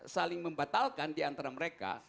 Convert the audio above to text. saling membatalkan di antara mereka